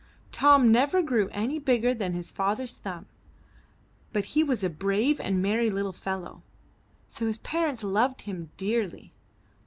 Tom never grew any bigger than his father's thumb, but he was a brave and merry little fellow, so his parents loved him dearly.